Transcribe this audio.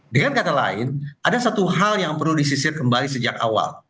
dengan kata lain ada satu hal yang perlu disisir kembali sejak awal